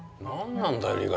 何なんだよ